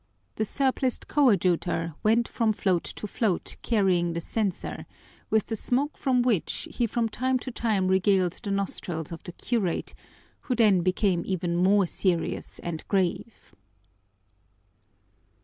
The surpliced coadjutor went from float to float carrying the censer, with the smoke from which he from time to time regaled the nostrils of the curate, who then became even more serious and grave.